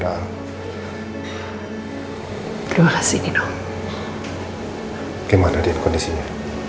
apa barangnya kondisinya